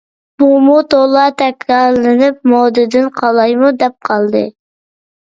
بۇمۇ تولا تەكرارلىنىپ مودىدىن قالايمۇ دەپ قالدى.